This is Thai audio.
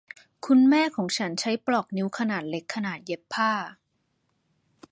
คุณแม่ของฉันใช้ปลอกนิ้วขนาดเล็กขณะเย็บผ้า